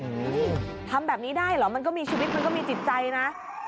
ทำแบบนี้ได้เหรอมันก็มีชีวิตมันก็มีจิตใจนะ